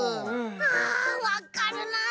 あわかるなあ！